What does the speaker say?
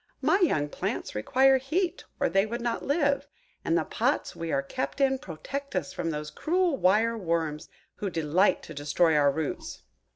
My young plants require heat, or they would not live; and the pots we are kept in protect us from those cruel wire worms who delight to destroy our roots."